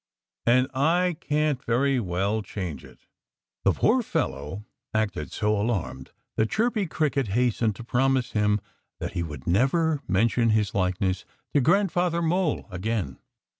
And I can't very well change it." The poor fellow acted so alarmed that Chirpy Cricket hastened to promise him that he would never mention his likeness to Grandfather Mole again.